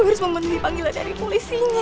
gue harus membenci panggilan dari polisinya